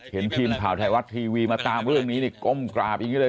เห็นทีมข่าวไทยรัฐทีวีมาตามเรื่องนี้นี่ก้มกราบอย่างนี้เลย